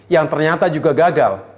yang ternyata juga gagal